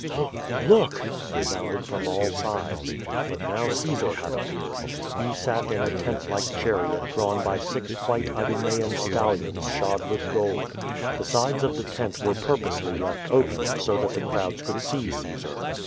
"Ijook! look!" resounded from all sides. But now Caesar had appeared. He sat in a tent like chariot drawn by six white Idumean stallions sliod with gold. The sides of the tent were purposely left open, so that the crowds could see Caesar.